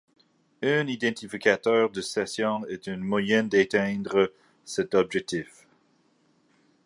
Un identificateur de session est un moyen d'atteindre cet objectif.